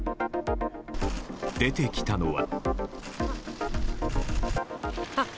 出てきたのは。